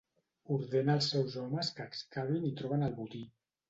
Ordena els seus homes que excavin i troben el botí.